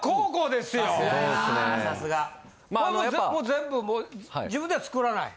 全部自分では作らない？